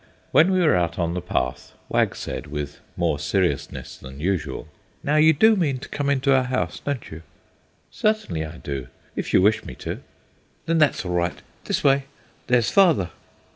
When we were out on the path, Wag said with more seriousness than usual: "Now you do mean to come into our house, don't you?" "Certainly I do, if you wish me to." "Then that's all right. This way. There's Father."